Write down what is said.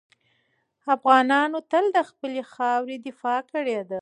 افغانانو تل د خپلې خاورې دفاع کړې ده.